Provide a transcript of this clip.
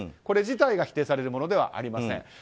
これ自体が否定されるものではありません。